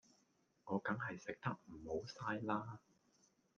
我梗係食得唔好嘥啦